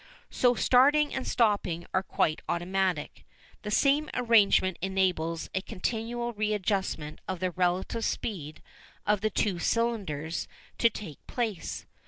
So starting and stopping are quite automatic. The same arrangement enables a continual readjustment of the relative speed of the two cylinders to take place.